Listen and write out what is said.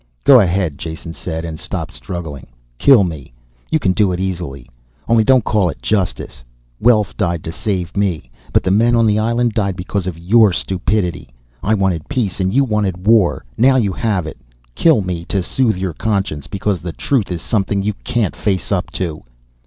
"Go ahead," Jason said, and stopped struggling. "Kill me. You can do it easily. Only don't call it justice. Welf died to save me. But the men on the island died because of your stupidity. I wanted peace and you wanted war. Now you have it. Kill me to soothe your conscience, because the truth is something you can't face up to."